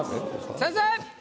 先生！